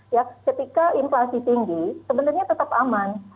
ya ketika inflasi tinggi sebenarnya tetap aman